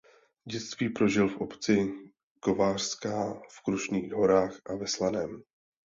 Dětství prožil v obci Kovářská v Krušných horách a ve Slaném.